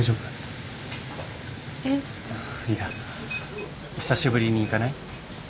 いや久しぶりに行かない？